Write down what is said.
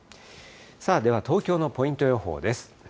さあでは、東京のポイント予報です。